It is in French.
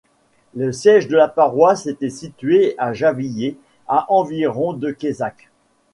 Le siège de la paroisse était situé à Javillet à environ de Quézac.